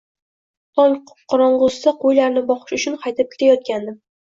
Tong qorong`usida qo`ylarni boqish uchun haydab ketayotgandim